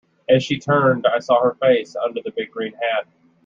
As she turned I saw her face under the big green hat.